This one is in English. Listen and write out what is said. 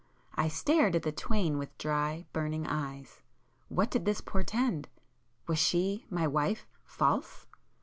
I stared at the twain with dry burning eyes,—what did this portend? Was she—my wife—false?